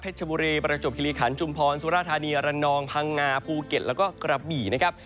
ชบุรีประจวบคิริขันชุมพรสุราธานีระนองพังงาภูเก็ตแล้วก็กระบี่นะครับ